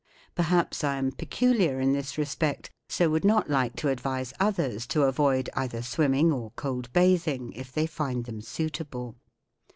Perhaps I am peculiar in this respect, so would not like to advise others to avoid either swim¬ ming or cold bathing, if they find them suitable.